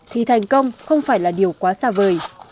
thì thành công không phải là điều quá xa vời